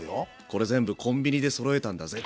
これ全部コンビニでそろえたんだぜ。